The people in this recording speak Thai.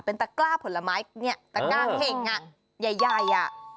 เป็นตะกร้าผลไม้เนี่ยตะกร้าเห็งอ่ะใหญ่อ่ะเฮ้ย